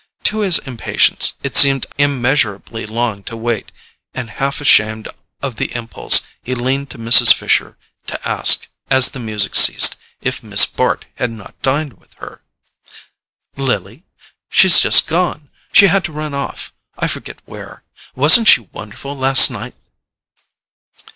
To his impatience it seemed immeasurably long to wait, and half ashamed of the impulse, he leaned to Mrs. Fisher to ask, as the music ceased, if Miss Bart had not dined with her. "Lily? She's just gone. She had to run off, I forget where. Wasn't she wonderful last night?"